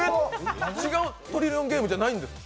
「トリリオンゲーム」じゃないんですか？